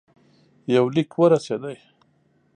یو لیک ورسېدی.